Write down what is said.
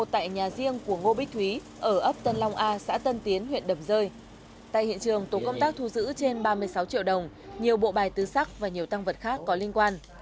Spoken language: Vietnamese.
trên ba mươi sáu triệu đồng nhiều bộ bài tứ sắc và nhiều tăng vật khác có liên quan